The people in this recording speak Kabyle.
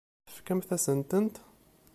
Tefkamt-asent-tent?